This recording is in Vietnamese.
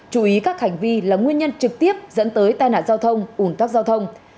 chú ý các hành vi là nguyên nhân trực tiếp dẫn tới tai nạn giao thông ủn tắc giao thông